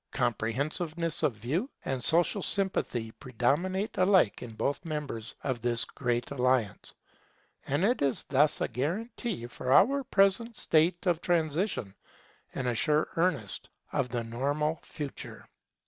Comprehensiveness of view and social sympathy predominate alike in both members of this great alliance; and it is thus a guarantee for our present state of transition, and a sure earnest of the normal future.